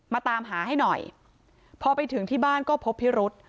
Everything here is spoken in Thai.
ตามหาให้หน่อยพอไปถึงที่บ้านก็พบพิรุษ